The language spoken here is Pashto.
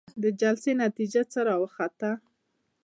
د جلسې نتيجه څه راوخته؟